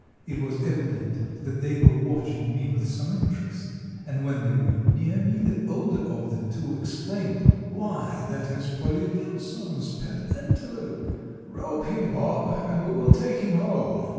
It was evident that they were watching me with some interest, and when they were near me the older of the two exclaimed, "Why, that is Polly Vinson's pet antelope. Rope him, Bob, and we will take him home!"